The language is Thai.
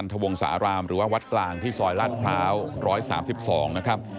ทวงสารามหรือว่าวัดกลางที่ซอยลาดพร้าว๑๓๒นะครับ